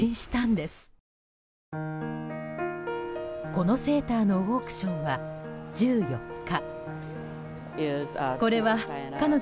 このセーターのオークションは１４日。